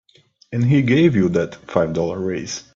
And he gave you that five dollar raise.